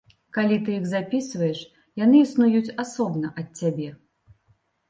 Калі ты іх запісваеш, яны існуюць асобна ад цябе.